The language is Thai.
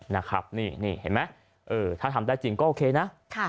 นะครับนี่เห็นไหมเออถ้าทำได้จริงก็โอเคนะ